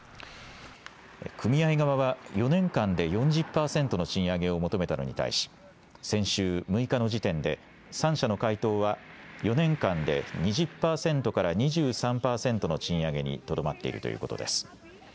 組合側は４年間で４０パーセントの賃上げを求めたのに対し先週６日の時点で３社の回答は４年間で２０パーセントから２３パーセントの賃上げにとどまっているということです。